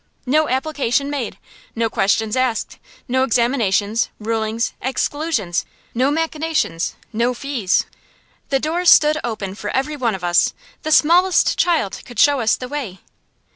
No application made, no questions asked, no examinations, rulings, exclusions; no machinations, no fees. The doors stood open for every one of us. The smallest child could show us the way.